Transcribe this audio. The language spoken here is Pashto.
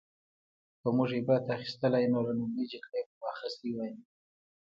که موږ عبرت اخیستلی نو له لومړۍ جګړې به مو اخیستی وای